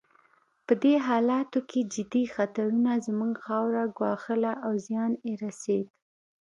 په دې حالاتو کې جدي خطر زموږ خاوره ګواښله او زیان یې رسېد.